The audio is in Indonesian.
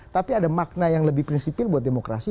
tapi ada makna yang lebih prinsipil buat demokrasi